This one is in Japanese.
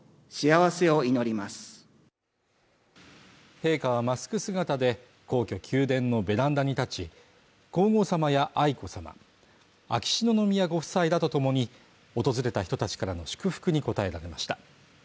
陛下はマスク姿で、皇居宮殿のベランダに立ち、皇后さまや愛子さま秋篠宮ご夫妻らとともに訪れた人たちからの祝福に応えられました。